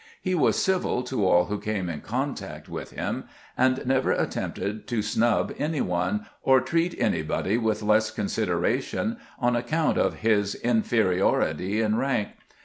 He was civil to all who came in contact with him, and never attempted to snub any one, or treat 16 CAMPAIGNING WITH GEANT anybody with less consideration on account of his in feriority in rank.